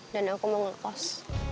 dan aku mau ngekos